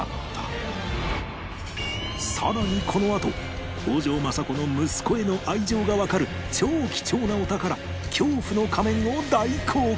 さらにこのあと北条政子の息子への愛情がわかる超貴重なお宝恐怖の仮面を大公開！